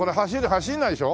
走んないでしょ？